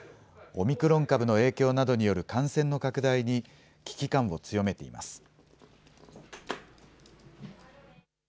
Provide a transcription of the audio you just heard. オミクロン株の影響などによる感染の拡大に、危機感を強めています。